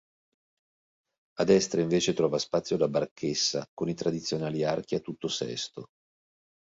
A destra invece trova spazio la barchessa, con i tradizionali archi a tutto sesto.